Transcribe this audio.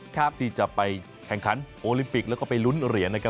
ที่จะไปแข่งขันโอลิมปิกแล้วก็ไปลุ้นเหรียญนะครับ